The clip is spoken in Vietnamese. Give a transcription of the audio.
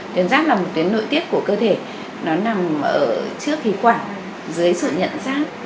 tuyến giáp là một tuyến nội tiết của cơ thể nó nằm ở trước khí quả dưới sự nhận giáp